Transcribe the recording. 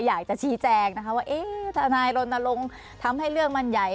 อยากจะชี้แจงนะคะว่าเอ๊ะทนายรณรงค์ทำให้เรื่องมันใหญ่